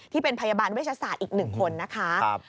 ที่เป็นพยาบาลเวชศาสตร์อีก๑คนนะคะ